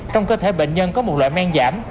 trong cơ thể bệnh nhân có một loại men giảm